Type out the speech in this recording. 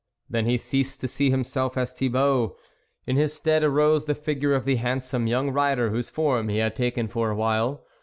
Then he ceased to see himself as Thibault ; in his stead arose the figure of the handsome young rider whose form he had taken for a while.